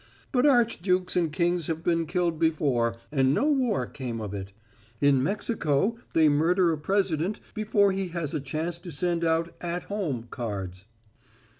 But archdukes and kings have been killed before, and no war came of it. In Mexico they murder a president before he has a chance to send out 'At home' cards."